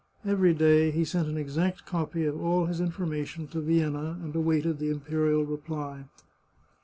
Every day he sent an exact copy of all his information to Vienna, and awaited the imperial reply.